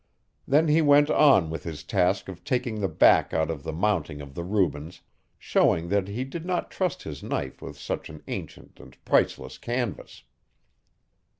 Then he went on with his task of taking the back out of the mounting of the Rubens, showing that he did not trust his knife with such an ancient and priceless canvas.